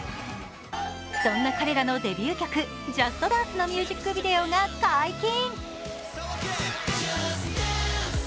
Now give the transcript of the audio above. そんな彼らのデビュー曲、「ＪＵＳＴＤＡＮＣＥ！」のミュージックビデオが解禁。